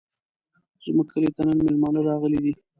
زموږ کلي ته نن مېلمانه راغلي دي.